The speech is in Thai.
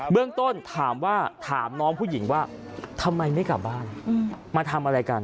เรื่องต้นถามว่าถามน้องผู้หญิงว่าทำไมไม่กลับบ้านมาทำอะไรกัน